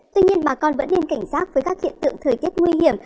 tuy nhiên bà con vẫn nên cảnh giác với các hiện tượng thời tiết nguy hiểm